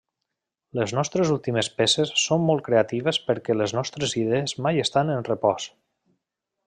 Les nostres últimes peces són molt creatives perquè les nostres idees mai estan en repòs.